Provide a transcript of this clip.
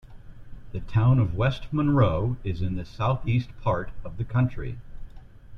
The Town of West Monroe is in the southeast part of the county.